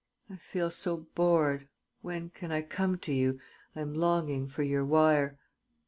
... I feel so bored. ... When can I come to you? I am longing for your wire.